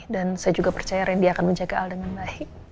dan saya juga percaya rendy akan menjaga al dengan baik